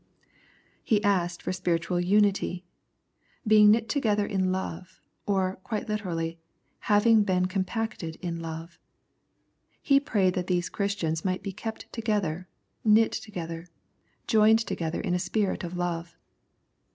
He asked for spiritual unity :" Being knit together in love," or, quite literally, " having been compacted in love." He prayed that these Christians might be kept together, knit together, joined together in a spirit of love.